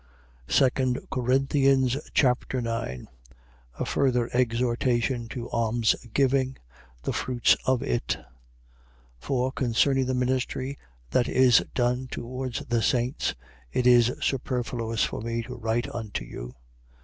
2 Corinthians Chapter 9 A further exhortation to almsgiving. The fruits of it. 9:1. For concerning the ministry that is done towards the saints, it is superfluous for me to write unto you.